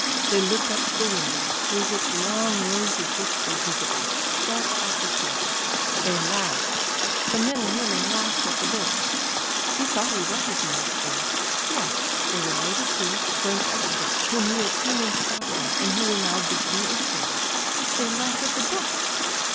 They looked up to the window's, through which long rows of books were visible, shelf after shelf. They laughed, the men and women laughed at the books. He thought he recognised them. Yes, they were Levasseur's French actors, whom he had seen in Stockholm and who were now visiting Upsala. They laughed at the books!